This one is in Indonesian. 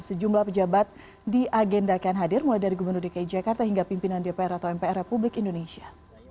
sejumlah pejabat diagendakan hadir mulai dari gubernur dki jakarta hingga pimpinan dpr atau mpr republik indonesia